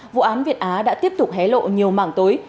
vụ án việt á đã tiếp tục hé lộ nhiều mảng tối